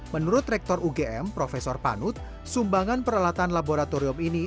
menurut rektor ugm prof panut sumbangan peralatan laboratorium ini